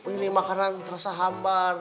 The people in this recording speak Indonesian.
ini makanan tersahabat